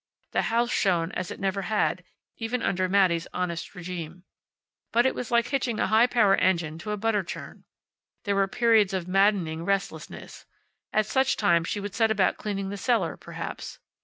The house shone as it never had, even under Mattie's honest regime. But it was like hitching a high power engine to a butter churn. There were periods of maddening restlessness. At such times she would set about cleaning the cellar, perhaps.